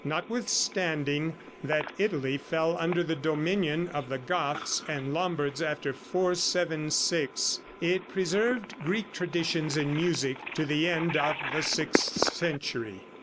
Notwithstanding that Italy fell under the dominion of the Goths and Lombards after 476, it preserved Greek traditions in music to the end of the sixth century.